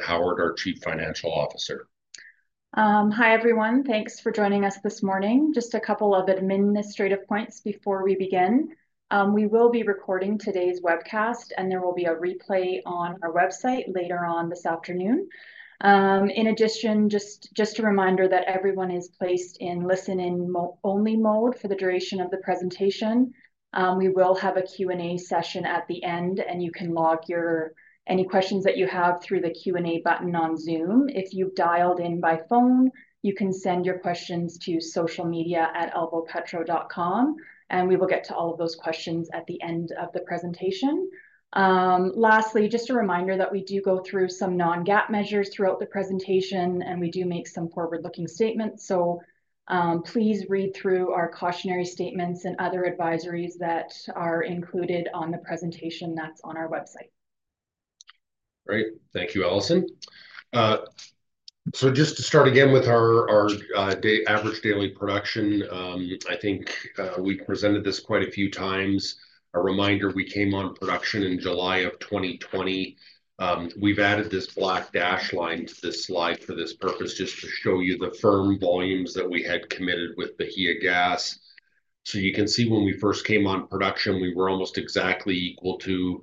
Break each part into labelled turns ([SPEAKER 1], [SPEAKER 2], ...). [SPEAKER 1] Alison Howard, our Chief Financial Officer.
[SPEAKER 2] Hi everyone. Thanks for joining us this morning. Just a couple of administrative points before we begin: we will be recording today's webcast, and there will be a replay on our website later on this afternoon. In addition, just a reminder that everyone is placed in listen only mode for the duration of the presentation. We will have a Q&A session at the end, and you can log any questions that you have through the Q&A button on Zoom. If you've dialed in by phone, you can send your questions to social media at alvopetro.com, and we will get to all of those questions at the end of the presentation. Lastly, just a reminder that we do go through some non-GAAP measures throughout the presentation, and we do make some forward-looking statements. Please read through our cautionary statements and other advisories that are included on the presentation that's on our website.
[SPEAKER 1] Great. Thank you, Alison. So just to start again with our average daily production, I think we presented this quite a few times. A reminder, we came on production in July of 2020. We've added this black dash line to this slide for this purpose, just to show you the firm volumes that we had committed with Bahiagás. So you can see when we first came on production, we were almost exactly equal to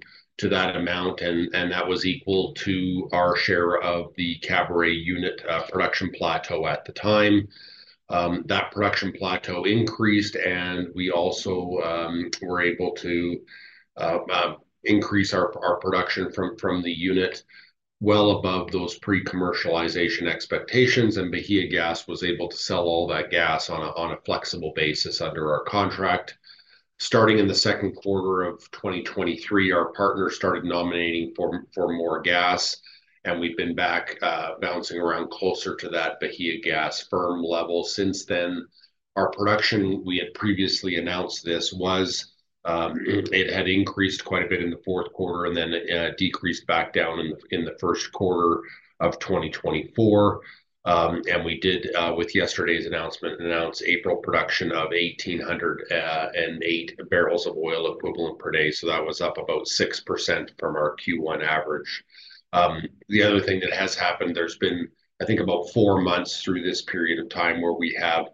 [SPEAKER 1] that amount, and that was equal to our share of the Caburé Unit production plateau at the time. That production plateau increased, and we also were able to increase our production from the unit well above those pre-commercialization expectations. And Bahiagás was able to sell all that gas on a flexible basis under our contract. Starting in the Q2 of 2023, our partner started nominating for more gas, and we've been back bouncing around closer to that Bahiagás firm level since then. Our production, we had previously announced this, was—it had increased quite a bit in the Q4 and then decreased back down in the Q1 of 2024. We did, with yesterday's announcement, announce April production of 1,808 barrels of oil equivalent per day. So that was up about 6% from our Q1 average. The other thing that has happened, there's been, I think, about four months through this period of time where we have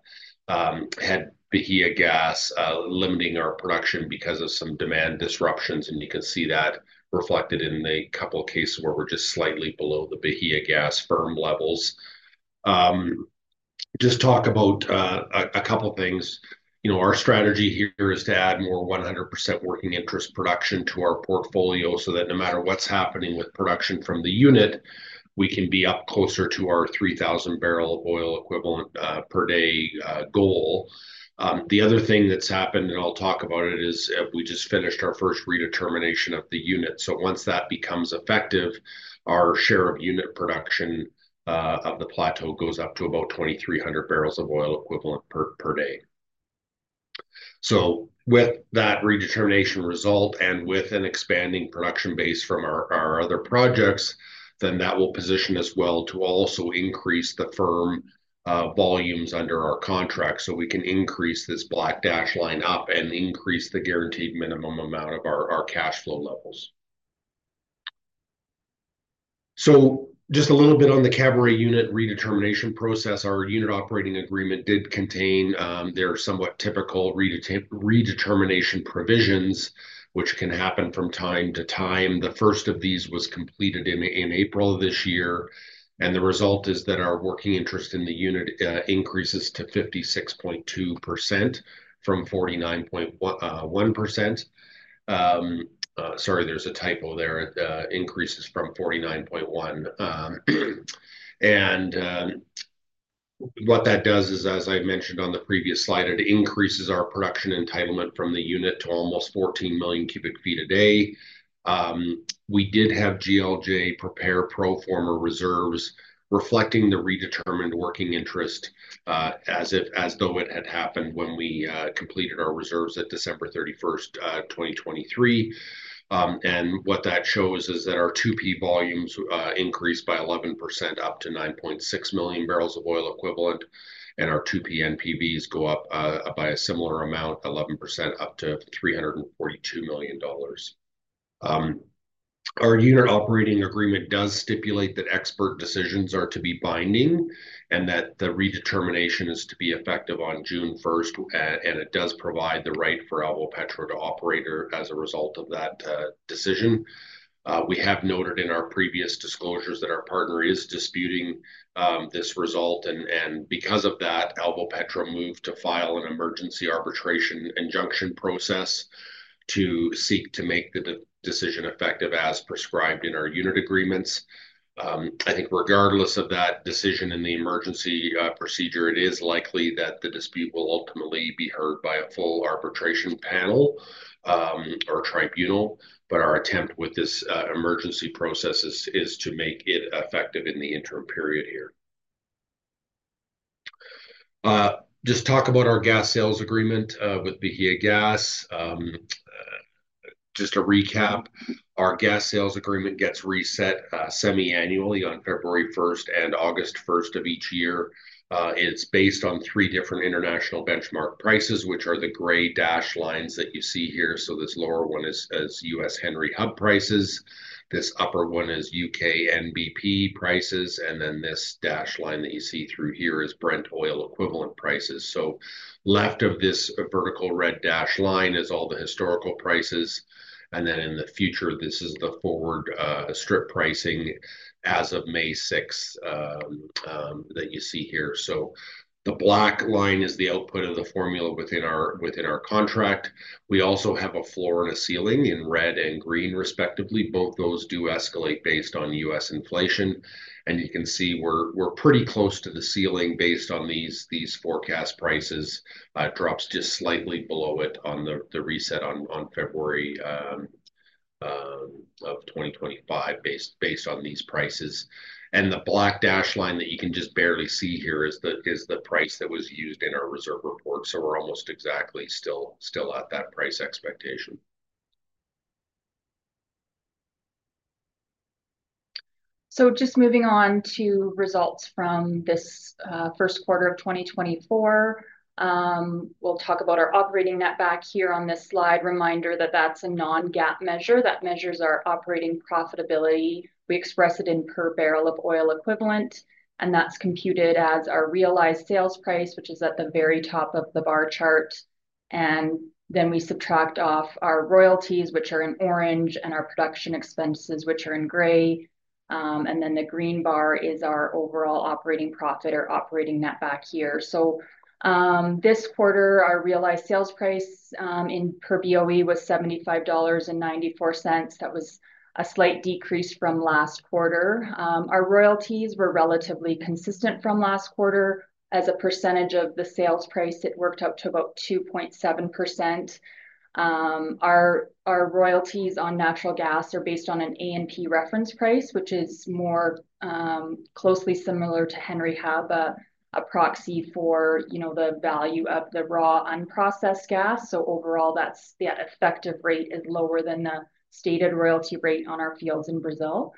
[SPEAKER 1] had Bahiagás limiting our production because of some demand disruptions. You can see that reflected in a couple of cases where we're just slightly below the Bahiagás firm levels. Just talk about a couple of things. Our strategy here is to add more 100% working interest production to our portfolio so that no matter what's happening with production from the unit, we can be up closer to our 3,000-barrel of oil equivalent per day goal. The other thing that's happened, and I'll talk about it, is we just finished our first redetermination of the unit. So once that becomes effective, our share of unit production of the plateau goes up to about 2,300 barrels of oil equivalent per day. So with that redetermination result and with an expanding production base from our other projects, then that will position us well to also increase the firm volumes under our contract so we can increase this black dash line up and increase the guaranteed minimum amount of our cash flow levels. So just a little bit on the Caburé Unit redetermination process. Our unit operating agreement did contain their somewhat typical redetermination provisions, which can happen from time to time. The first of these was completed in April of this year. The result is that our working interest in the unit increases to 56.2% from 49.1%. Sorry, there's a typo there. It increases from 49.1%. What that does is, as I mentioned on the previous slide, it increases our production entitlement from the unit to almost 14 million cubic feet a day. We did have GLJ prepare pro forma reserves reflecting the redetermined working interest as though it had happened when we completed our reserves at December 31st, 2023. What that shows is that our 2P volumes increase by 11% up to 9.6 million barrels of oil equivalent, and our 2P NPVs go up by a similar amount, 11%, up to $342 million. Our unit operating agreement does stipulate that expert decisions are to be binding and that the redetermination is to be effective on June 1st, and it does provide the right for Alvopetro to operate as a result of that decision. We have noted in our previous disclosures that our partner is disputing this result. Because of that, Alvopetro moved to file an emergency arbitration injunction process to seek to make the decision effective as prescribed in our unit agreements. I think regardless of that decision in the emergency procedure, it is likely that the dispute will ultimately be heard by a full arbitration panel or tribunal. Our attempt with this emergency process is to make it effective in the interim period here. Just talk about our gas sales agreement with Bahiagás. Just a recap, our gas sales agreement gets reset semi-annually on February 1st and August 1st of each year. It's based on three different international benchmark prices, which are the gray dash lines that you see here. So this lower one is U.S. Henry Hub prices. This upper one is U.K. NBP prices. And then this dash line that you see through here is Brent oil equivalent prices. So left of this vertical red dash line is all the historical prices. And then in the future, this is the forward strip pricing as of May 6th that you see here. So the black line is the output of the formula within our contract. We also have a floor and a ceiling in red and green, respectively. Both those do escalate based on U.S. inflation. You can see we're pretty close to the ceiling based on these forecast prices, drops just slightly below it on the reset on February of 2025 based on these prices. The black dash line that you can just barely see here is the price that was used in our reserve report. We're almost exactly still at that price expectation.
[SPEAKER 2] So just moving on to results from this Q1 of 2024, we'll talk about our operating netback here on this slide. Reminder that that's a non-GAAP measure. That measures our operating profitability. We express it in per barrel of oil equivalent, and that's computed as our realized sales price, which is at the very top of the bar chart. And then we subtract off our royalties, which are in orange, and our production expenses, which are in gray. And then the green bar is our overall operating profit or operating netback here. So this quarter, our realized sales price in per BOE was $75.94. That was a slight decrease from last quarter. Our royalties were relatively consistent from last quarter. As a percentage of the sales price, it worked up to about 2.7%. Our royalties on natural gas are based on an ANP reference price, which is more closely similar to Henry Hub, a proxy for the value of the raw unprocessed gas. So overall, that effective rate is lower than the stated royalty rate on our fields in Brazil.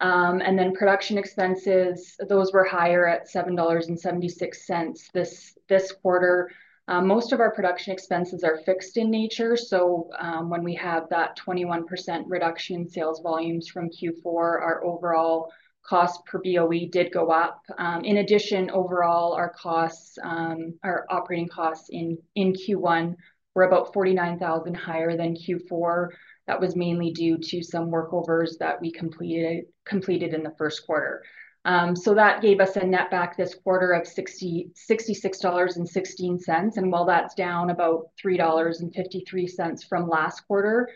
[SPEAKER 2] And then production expenses, those were higher at $7.76 this quarter. Most of our production expenses are fixed in nature. So when we have that 21% reduction in sales volumes from Q4, our overall cost per BOE did go up. In addition, overall, our operating costs in Q1 were about $49,000 higher than Q4. That was mainly due to some workovers that we completed in the Q1. So that gave us a netback this quarter of $66.16. And while that's down about $3.53 from last quarter,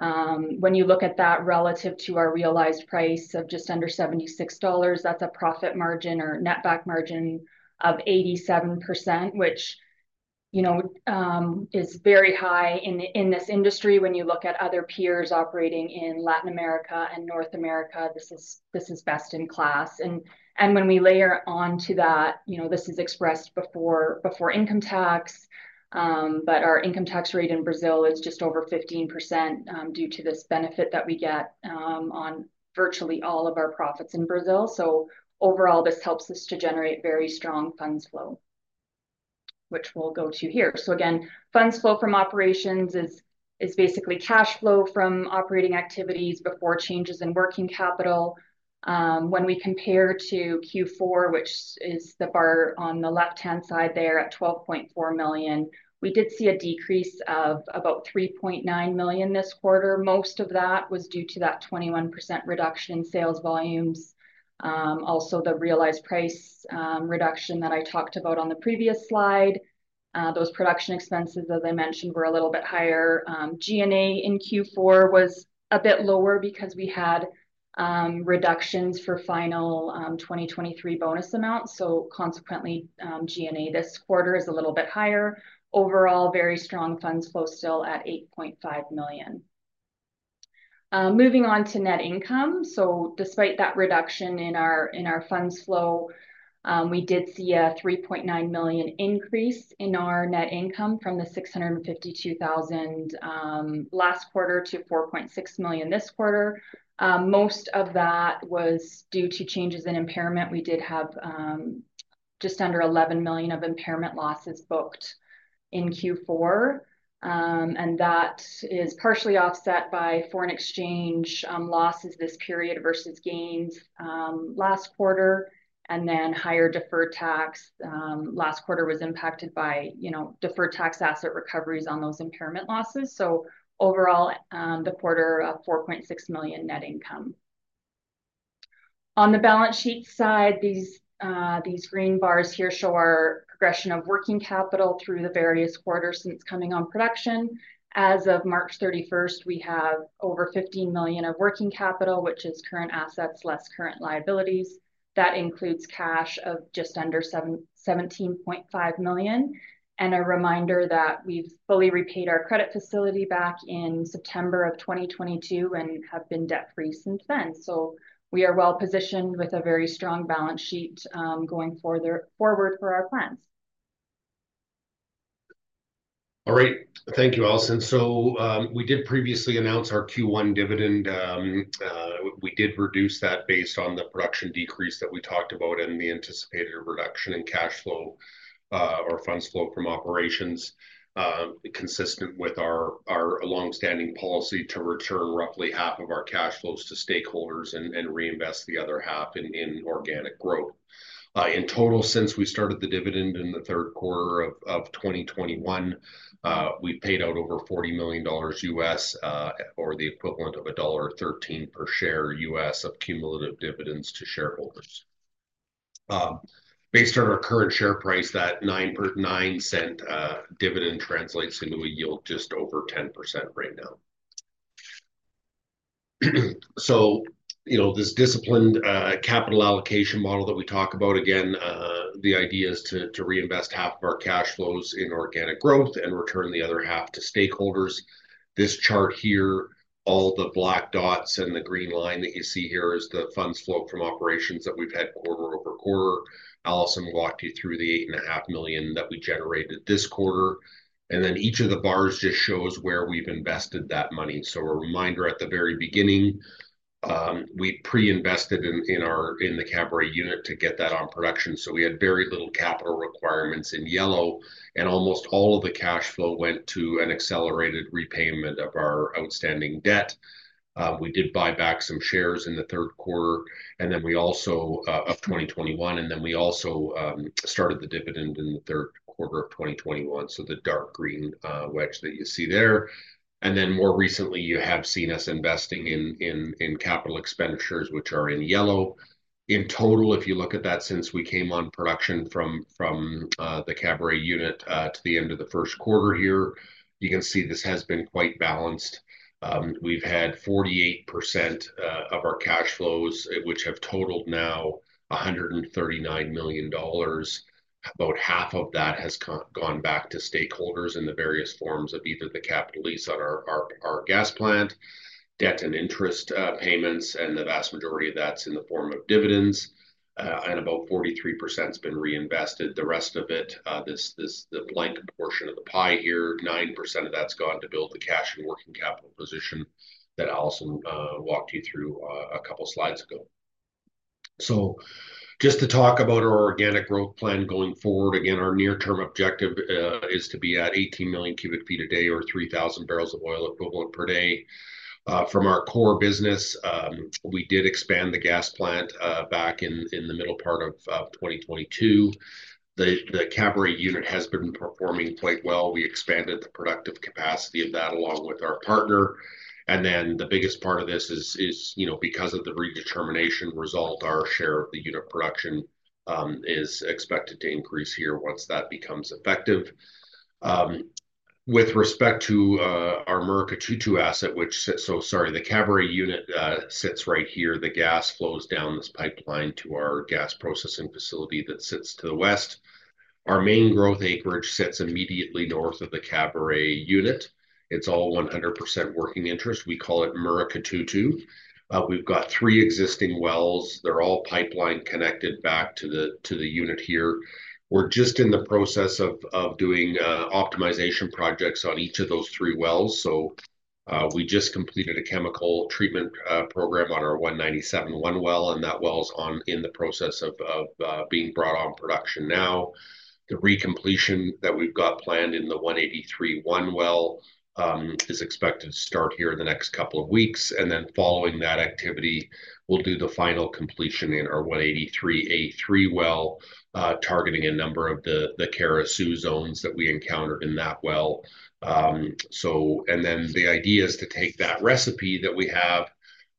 [SPEAKER 2] when you look at that relative to our realized price of just under $76, that's a profit margin or netback margin of 87%, which is very high in this industry. When you look at other peers operating in Latin America and North America, this is best in class. When we layer onto that, this is expressed before income tax. But our income tax rate in Brazil is just over 15% due to this benefit that we get on virtually all of our profits in Brazil. Overall, this helps us to generate very strong funds flow, which we'll go to here. Again, funds flow from operations is basically cash flow from operating activities before changes in working capital. When we compare to Q4, which is the bar on the left-hand side there at $12.4 million, we did see a decrease of about $3.9 million this quarter. Most of that was due to that 21% reduction in sales volumes. Also, the realized price reduction that I talked about on the previous slide, those production expenses, as I mentioned, were a little bit higher. G&A in Q4 was a bit lower because we had reductions for final 2023 bonus amounts. So consequently, G&A this quarter is a little bit higher. Overall, very strong funds flow still at $8.5 million. Moving on to net income. So despite that reduction in our funds flow, we did see a $3.9 million increase in our net income from the $652,000 last quarter to $4.6 million this quarter. Most of that was due to changes in impairment. We did have just under $11 million of impairment losses booked in Q4. That is partially offset by foreign exchange losses this period versus gains last quarter and then higher deferred tax. Last quarter was impacted by deferred tax asset recoveries on those impairment losses. Overall, the quarter of $4.6 million net income. On the balance sheet side, these green bars here show our progression of working capital through the various quarters since coming on production. As of March 31st, we have over $15 million of working capital, which is current assets less current liabilities. That includes cash of just under $17.5 million. A reminder that we've fully repaid our credit facility back in September of 2022 and have been debt-free since then. We are well positioned with a very strong balance sheet going forward for our plans.
[SPEAKER 1] All right. Thank you, Alison. So we did previously announce our Q1 dividend. We did reduce that based on the production decrease that we talked about and the anticipated reduction in cash flow or funds flow from operations, consistent with our longstanding policy to return roughly half of our cash flows to stakeholders and reinvest the other half in organic growth. In total, since we started the dividend in the Q3 of 2021, we've paid out over $40 million or the equivalent of $1.13 per share of cumulative dividends to shareholders. Based on our current share price, that $0.09 dividend translates into a yield just over 10% right now. So this disciplined capital allocation model that we talk about, again, the idea is to reinvest half of our cash flows in organic growth and return the other half to stakeholders. This chart here, all the black dots and the green line that you see here is the Funds Flow from Operations that we've had quarter-over-quarter. Alison walked you through the $8.5 million that we generated this quarter. And then each of the bars just shows where we've invested that money. So a reminder at the very beginning, we pre-invested in the Caburé Unit to get that on production. So we had very little capital requirements in yellow, and almost all of the cash flow went to an accelerated repayment of our outstanding debt. We did buy back some shares in the Q3 of 2021, and then we also started the dividend in the Q3 of 2021. So the dark green wedge that you see there. And then more recently, you have seen us investing in capital expenditures, which are in yellow. In total, if you look at that since we came on production from the Caburé Unit to the end of the Q1 here, you can see this has been quite balanced. We've had 48% of our cash flows, which have totaled now $139 million. About half of that has gone back to stakeholders in the various forms of either the capital lease on our gas plant, debt and interest payments, and the vast majority of that's in the form of dividends. And about 43% has been reinvested. The rest of it, the blank portion of the pie here, 9% of that's gone to build the cash and working capital position that Alison walked you through a couple of slides ago. So just to talk about our organic growth plan going forward, again, our near-term objective is to be at 18 million cubic feet a day or 3,000 barrels of oil equivalent per day. From our core business, we did expand the gas plant back in the middle part of 2022. The Caburé Unit has been performing quite well. We expanded the productive capacity of that along with our partner. And then the biggest part of this is because of the redetermination result, our share of the unit production is expected to increase here once that becomes effective. With respect to our Murucututu asset, which sits so sorry, the Caburé Unit sits right here. The gas flows down this pipeline to our gas processing facility that sits to the west. Our main growth acreage sits immediately north of the Caburé Unit. It's all 100% working interest. We call it Murucututu. We've got three existing wells. They're all pipeline connected back to the unit here. We're just in the process of doing optimization projects on each of those three wells. We just completed a chemical treatment program on our 197-1 well, and that well is in the process of being brought on production now. The recompletion that we've got planned in the 183-1 well is expected to start here in the next couple of weeks. Following that activity, we'll do the final completion in our 183-A3 well, targeting a number of the Caruaçu zones that we encountered in that well. The idea is to take that recipe that we have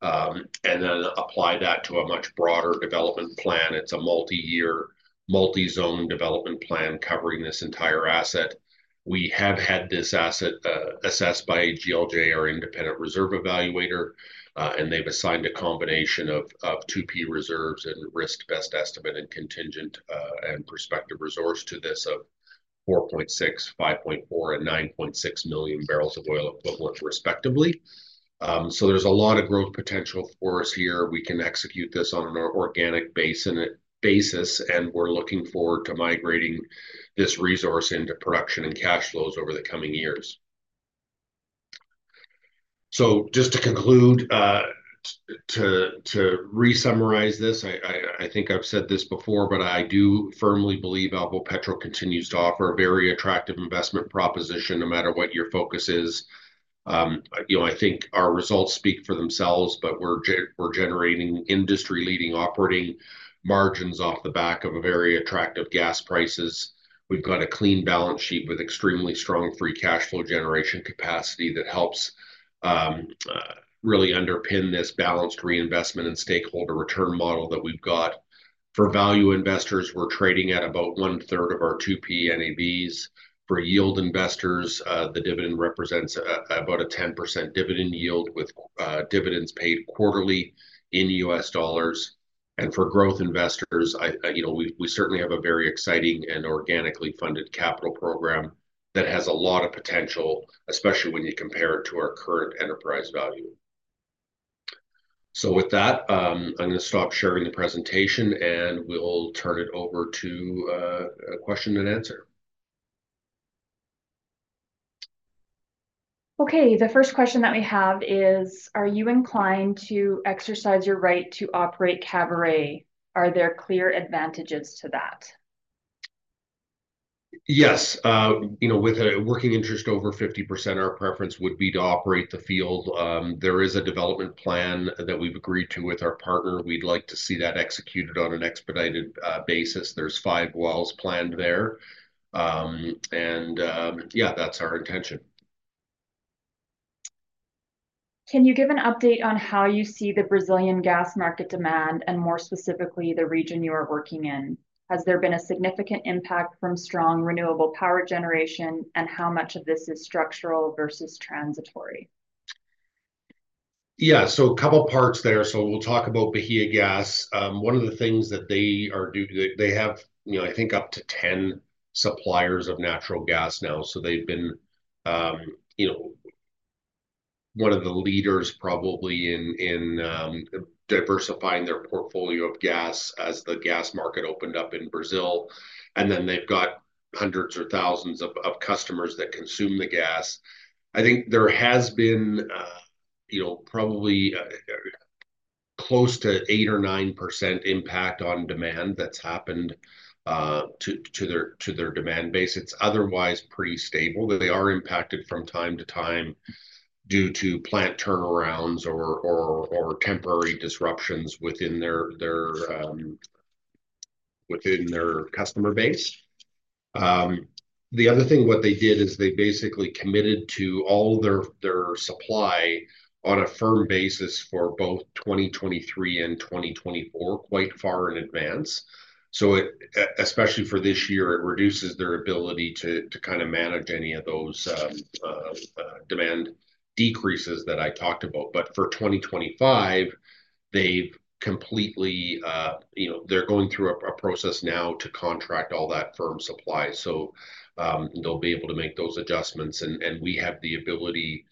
[SPEAKER 1] and then apply that to a much broader development plan. It's a multi-year, multi-zone development plan covering this entire asset. We have had this asset assessed by a GLJ, our independent reserve evaluator, and they've assigned a combination of 2P reserves and risked best estimate and contingent and prospective resource to this of 4.6, 5.4, and 9.6 million barrels of oil equivalent, respectively. So there's a lot of growth potential for us here. We can execute this on an organic basis, and we're looking forward to migrating this resource into production and cash flows over the coming years. So just to conclude, to re-summarize this, I think I've said this before, but I do firmly believe Alvopetro continues to offer a very attractive investment proposition no matter what your focus is. I think our results speak for themselves, but we're generating industry-leading operating margins off the back of very attractive gas prices. We've got a clean balance sheet with extremely strong free cash flow generation capacity that helps really underpin this balanced reinvestment and stakeholder return model that we've got. For value investors, we're trading at about one-third of our 2P NAVs. For yield investors, the dividend represents about a 10% dividend yield with dividends paid quarterly in U.S. dollars. And for growth investors, we certainly have a very exciting and organically funded capital program that has a lot of potential, especially when you compare it to our current enterprise value. So with that, I'm going to stop sharing the presentation, and we'll turn it over to a question and answer.
[SPEAKER 3] Okay. The first question that we have is, are you inclined to exercise your right to operate Caburé? Are there clear advantages to that?
[SPEAKER 1] Yes. With a working interest over 50%, our preference would be to operate the field. There is a development plan that we've agreed to with our partner. We'd like to see that executed on an expedited basis. There's 5 wells planned there. Yeah, that's our intention.
[SPEAKER 3] Can you give an update on how you see the Brazilian gas market demand and more specifically the region you are working in? Has there been a significant impact from strong renewable power generation, and how much of this is structural versus transitory?
[SPEAKER 1] Yeah. So a couple of parts there. So we'll talk about Bahiagás. One of the things that they are due to they have, I think, up to 10 suppliers of natural gas now. So they've been one of the leaders probably in diversifying their portfolio of gas as the gas market opened up in Brazil. And then they've got hundreds or thousands of customers that consume the gas. I think there has been probably close to 8% or 9% impact on demand that's happened to their demand base. It's otherwise pretty stable. They are impacted from time to time due to plant turnarounds or temporary disruptions within their customer base. The other thing, what they did is they basically committed to all their supply on a firm basis for both 2023 and 2024 quite far in advance. So especially for this year, it reduces their ability to kind of manage any of those demand decreases that I talked about. But for 2025, they're going through a process now to contract all that firm supply. So they'll be able to make those adjustments. And we have the ability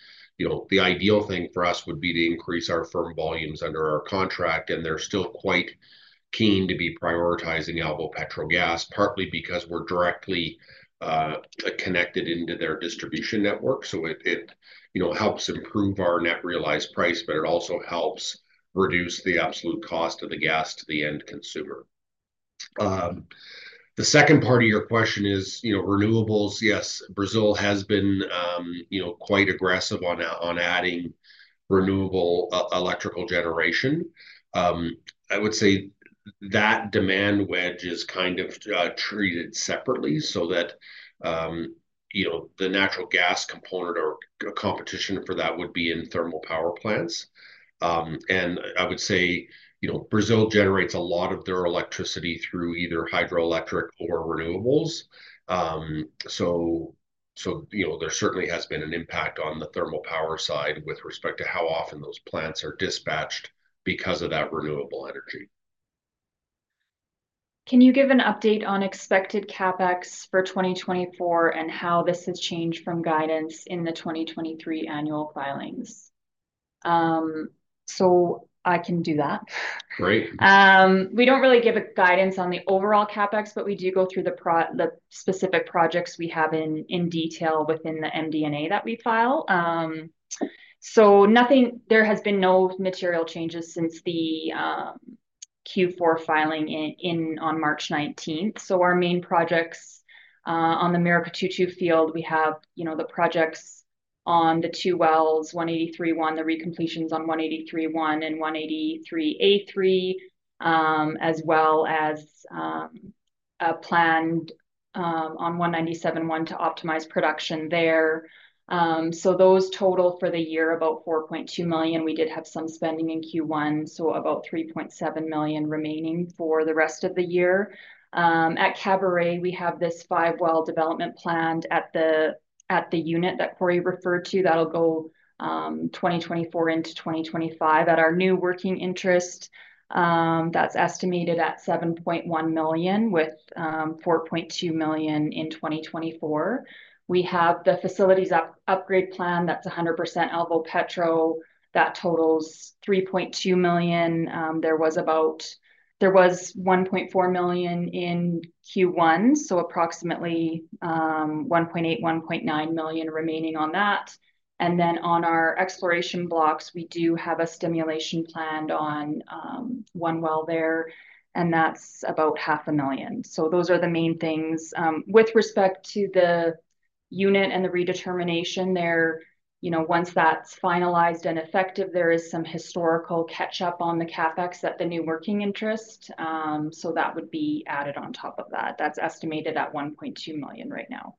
[SPEAKER 1] the ideal thing for us would be to increase our firm volumes under our contract. And they're still quite keen to be prioritizing Alvopetro Gas, partly because we're directly connected into their distribution network. So it helps improve our net realized price, but it also helps reduce the absolute cost of the gas to the end consumer. The second part of your question is renewables. Yes, Brazil has been quite aggressive on adding renewable electrical generation. I would say that demand wedge is kind of treated separately so that the natural gas component or competition for that would be in thermal power plants. And I would say Brazil generates a lot of their electricity through either hydroelectric or renewables. So there certainly has been an impact on the thermal power side with respect to how often those plants are dispatched because of that renewable energy.
[SPEAKER 3] Can you give an update on expected CapEx for 2024 and how this has changed from guidance in the 2023 annual filings? So, I can do that. We don't really give guidance on the overall CapEx, but we do go through the specific projects we have in detail within the MD&A that we file. So there has been no material changes since the Q4 filing on March 19th. So our main projects on the Murucututu field, we have the projects on the two wells, 183.1, the recompletions on 183.1 and 183.A3, as well as a plan on 197.1 to optimize production there. So those total for the year, about $4.2 million. We did have some spending in Q1, so about $3.7 million remaining for the rest of the year. At Caburé, we have this five-well development planned at the unit that Corey referred to. That'll go 2024 into 2025. At our new working interest, that's estimated at $7.1 million with $4.2 million in 2024. We have the facilities upgrade plan. That's 100% Alvopetro. That totals $3.2 million. There was $1.4 million in Q1, so approximately $1.8-$1.9 million remaining on that. And then on our exploration blocks, we do have a stimulation planned on one well there, and that's about $500,000. So those are the main things. With respect to the unit and the redetermination there, once that's finalized and effective, there is some historical catch-up on the CapEx at the new working interest. So that would be added on top of that. That's estimated at $1.2 million right now.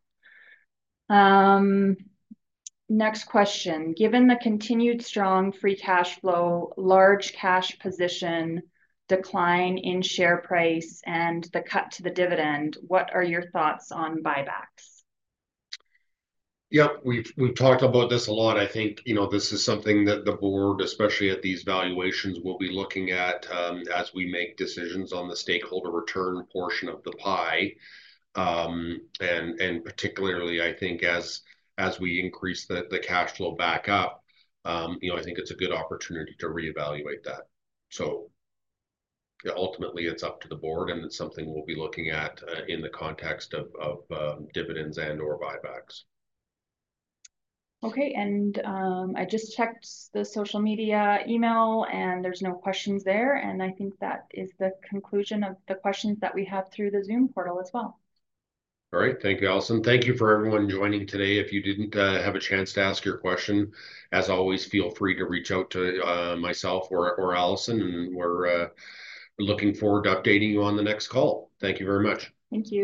[SPEAKER 3] Next question. Given the continued strong free cash flow, large cash position decline in share price, and the cut to the dividend, what are your thoughts on buybacks?
[SPEAKER 1] Yep. We've talked about this a lot. I think this is something that the board, especially at these valuations, will be looking at as we make decisions on the stakeholder return portion of the pie. And particularly, I think, as we increase the cash flow back up, I think it's a good opportunity to reevaluate that. So ultimately, it's up to the board, and it's something we'll be looking at in the context of dividends and/or buybacks.
[SPEAKER 3] Okay. I just checked the social media email, and there's no questions there. I think that is the conclusion of the questions that we have through the Zoom portal as well.
[SPEAKER 1] All right. Thank you, Alison. Thank you for everyone joining today. If you didn't have a chance to ask your question, as always, feel free to reach out to myself or Alison, and we're looking forward to updating you on the next call. Thank you very much.
[SPEAKER 3] Thank you.